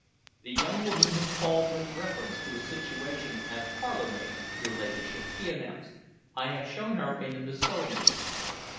"The young woman has called with reference to a situation as parlour maid, your ladyship," he announced. "I have shown her into the sewing room."